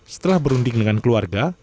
setelah berunding dengan keluarga